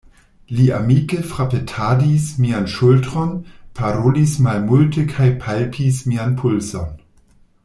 Li amike frapetadis mian ŝultron, parolis malmulte kaj palpis mian pulson.